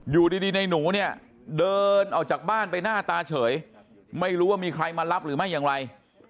อยู่ดีในหนูเนี่ยเดินออกจากบ้านไปหน้าตาเฉยไม่รู้ว่ามีใครมารับหรือไม่อย่างไร